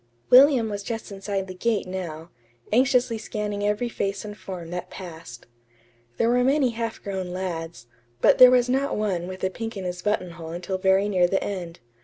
William was just inside the gate now, anxiously scanning every face and form that passed. There were many half grown lads, but there was not one with a pink in his buttonhole until very near the end.